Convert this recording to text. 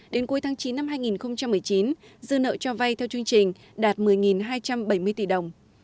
đến cuối tháng chín năm hai nghìn một mươi chín dư nợ cho vay theo chương trình đạt một mươi hai trăm bảy mươi tỷ đồng